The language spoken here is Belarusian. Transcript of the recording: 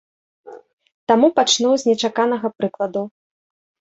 Таму пачну з нечаканага прыкладу.